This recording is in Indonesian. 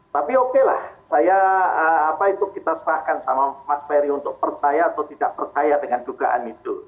tapi oke lah saya apa itu kita serahkan sama mas ferry untuk percaya atau tidak percaya dengan dugaan itu